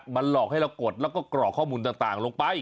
มันหลอกให้เรากดแล้วก็กรอกข้อมูลต่างลงไป